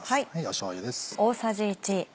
しょうゆです。